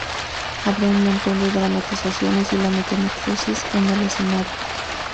Habrá un montón de dramatizaciones y la metamorfosis en el escenario.